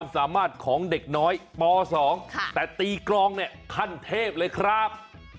สามารถของเด็กน้อยป๒แต่ตีกรองเนี่ยขั้นเทพเลยครับ